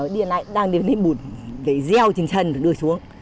đi là đang đưa lên bụt gieo trên chân rồi đưa xuống